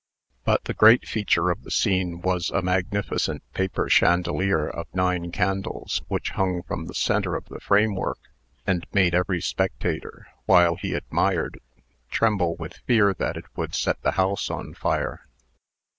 But the great feature of the scene was a magnificent paper chandelier of nine candles, which hung from the centre of the framework, and made every spectator, while he admired, tremble with fear that it would set the house on fire.